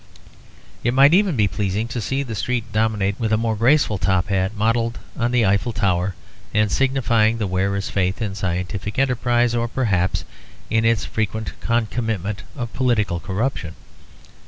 It might even be pleasing to see the street dominated with a more graceful top hat modelled on the Eiffel Tower, and signifying the wearer's faith in scientific enterprise, or perhaps in its frequent concomitant of political corruption.